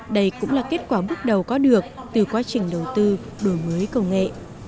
đây cũng là kết quả bước đầu có được từ quá trình đầu tư đổi mới công nghệ